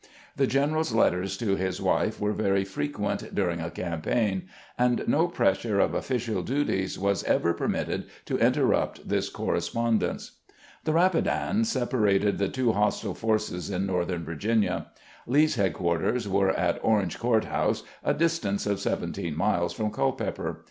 The general's letters to his wife were very frequent during a cam paign, and no pressure of official duties was ever per mitted to interrupt this correspondence. The Rapidan separated the two hostile forces in northern Virginia. Lee's headquarters were at Orange Court house, a distance of seventeen miles from Cul peper.